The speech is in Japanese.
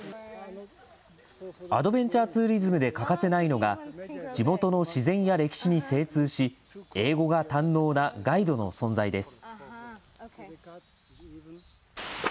アドベンチャーツーリズムで欠かせないのが、地元の自然や歴史に精通し、英語が堪能なガイドの存在です。